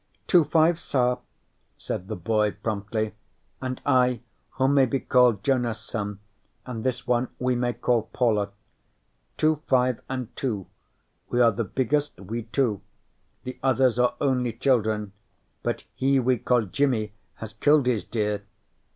"Two fives, sa," said the boy promptly, "and I who may be called Jonason and this one we may call Paula. Two fives and two. We are the biggest, we two. The others are only children, but he we call Jimi has killed his deer.